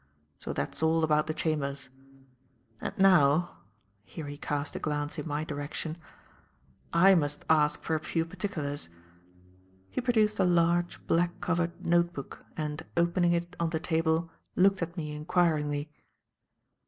So that's all about the chambers; and now" here he cast a glance in my direction "I must ask for a few particulars." He produced a large, black covered notebook and, opening it on the table, looked at me inquiringly.